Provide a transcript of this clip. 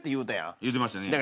言ってましたね。